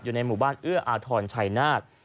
อยู่ในหมู่บ้านเอื้ออาทรชัยนาธ